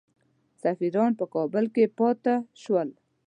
سفیران په کابل کې پاته شول.